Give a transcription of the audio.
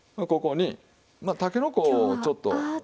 ここにまあ筍をちょっと。